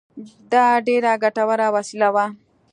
دا ډېره ګټوره وسیله وه